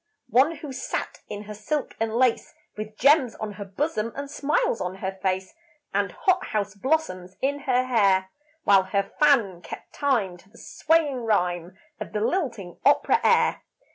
One who sat in her silk and lace, With gems on her bosom and smiles on her face, And hot house blossoms in her hair, While her fan kept time to the swaying rhyme Of the lilting opera air.